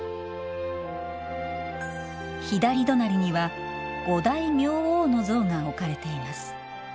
左隣には、五大明王の像が置かれています。